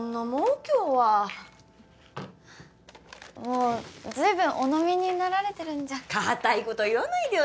今日はもうずいぶんお飲みになられてるんじゃ固いこと言わないでよ